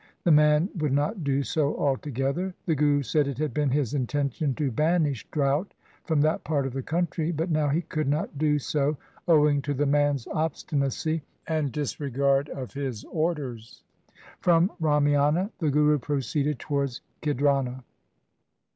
The man would not do so altogether. The Guru said it had been his intention to banish drought from that part of the country, but now he could not do so owing to the man's obstinacy and disregard of his orders. From Ramiana the Guru proceeded towards Khidrana.